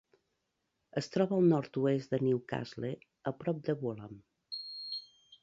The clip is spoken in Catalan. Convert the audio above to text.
Es troba al nord-oest de Newcastle, a prop de Bolam.